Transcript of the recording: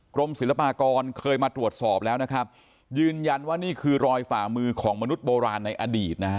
กรมศิลปากรเคยมาตรวจสอบแล้วนะครับยืนยันว่านี่คือรอยฝ่ามือของมนุษย์โบราณในอดีตนะฮะ